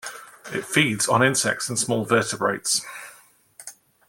It feeds on insects and small vertebrates.